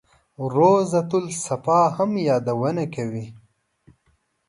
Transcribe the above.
روضته الصفا هم یادونه کوي.